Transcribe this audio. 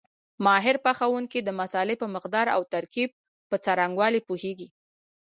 ماهر پخوونکي د مسالې په مقدار او ترکیب په څرنګوالي پوهېږي.